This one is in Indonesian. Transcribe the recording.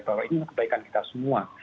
bahwa ini adalah kebaikan kita semua